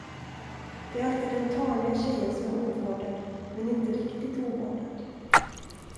Det är alltid den taniga tjejen som är ovårdad, men inte riktigt ovårdad.